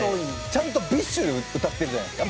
ちゃんとＢｉＳＨ歌ってるじゃないですか。